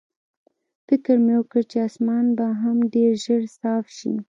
فکر مې وکړ چې اسمان به هم ډېر ژر صاف شي.